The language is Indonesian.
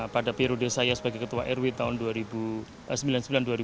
pada periode saya sebagai kepengaruh saya sudah berpengaruh